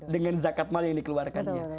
dengan zakat maul yang dikeluarkan